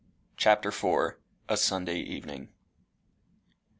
CHAPTER IV. A SUNDAY EVENING.